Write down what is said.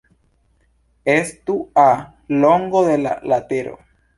Estu "a" longo de la latero.